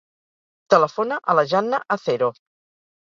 Telefona a la Janna Acero.